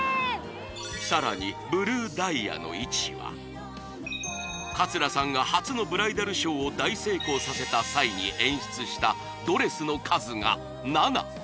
さらにブルーダイヤの位置は桂さんが初のブライダルショーを大成功させた際に演出したドレスの数が７